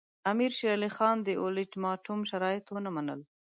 امیر شېر علي خان د اولټیماټوم شرایط ونه منل.